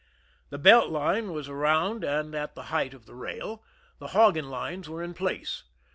The belt line was around and at the height of the rail ; the hogging lines were in place.